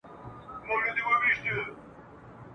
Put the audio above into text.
ستا تر مالته ستا تر ښاره درځم !.